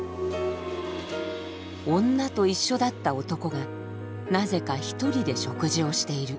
女と一緒だった男がなぜか１人で食事をしている。